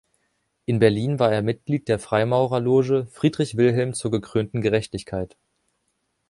In Berlin war er Mitglied der Freimaurerloge "Friedrich Wilhelm zur gekrönten Gerechtigkeit".